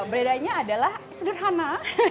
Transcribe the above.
beredanya adalah sederhana